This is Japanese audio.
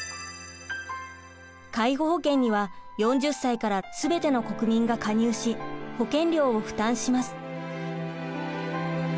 介護保険には４０歳からすべての国民が加入し保険料を負担します。